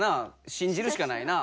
しんじるしかないな。